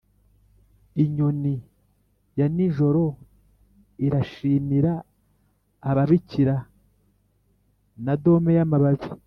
inyoni ya nijoro irashimira ababikira na dome yamababi